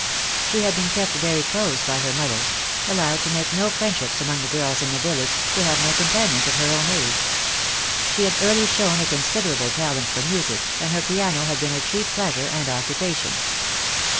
She had been kept very close by her mother, allowed to make no friendships among the girls in the village, to have no companions of her own age. She had early shown a considerable talent for music, and her piano had been her chief pleasure and occupation.